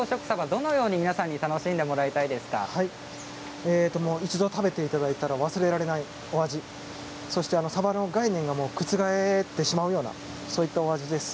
どんなふうに一度食べていただいたら忘れられない味、そしてサバの概念が覆ってしまうようなそういったお味です。